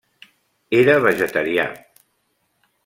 Era vegetarià.